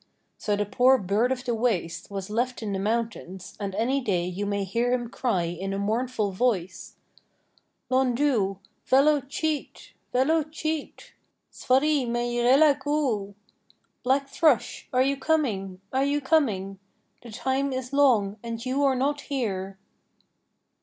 So the poor Bird of the Waste was left in the mountains and any day you may hear him cry in a mournful voice: 'Lhondoo, vel oo cheet, vel oo cheet? S'foddey my reayllagh oo!' Black Thrush, are you coming, are you coming? The time is long and you are not here!